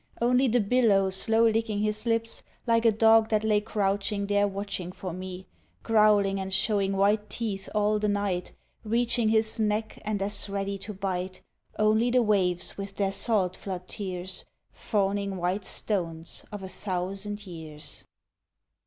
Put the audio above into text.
Only the billow slow licking his lips, Like a dog that lay crouching there watching for me; Growling and showing white teeth all the night, Reaching his neck and as ready to bite Only the waves with their salt flood tears Fawning white stones of a thousand years.